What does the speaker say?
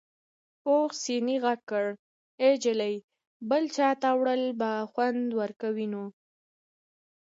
پوخ سنې غږ کړ ای جلۍ بل چاته وړل به خوند ورکوي نو.